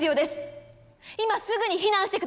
今すぐに避難してください。